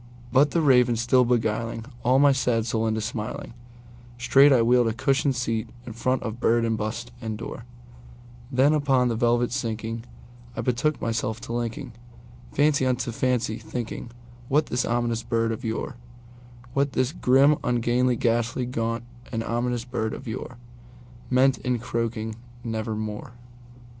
'But the Raven still beguiling all my fancy into smiling, Straight I wheeled a cushioned seat in front of bird and bust and door; Then, upon the velvet sinking, I betook myself to linkingFancy unto fancy, thinking what this ominous bird of yore, What this grim, ungainly, ghastly, gaunt, and ominous bird of yoreMeant in croaking "Nevermore."